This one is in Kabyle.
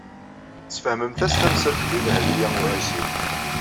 Tesfehmemt-as tamsalt i Dehbiya u Ɛisiw.